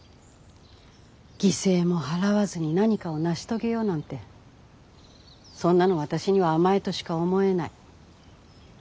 犠牲も払わずに何かを成し遂げようなんてそんなの私には甘えとしか思えない。